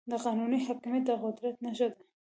د قانون حاکميت د قدرت نښه ده.